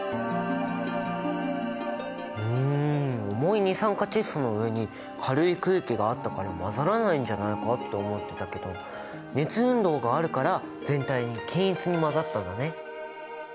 うん重い二酸化窒素の上に軽い空気があったから混ざらないんじゃないかって思ってたけど熱運動があるから全体に均一に混ざったんだね！